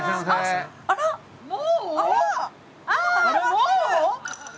もう？